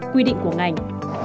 quy định của ngành